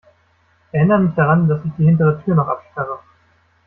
Erinner mich daran, dass ich die hintere Tür noch absperre.